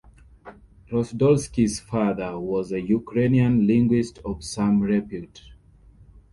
Rosdolsky's father was a Ukrainian linguist of some repute.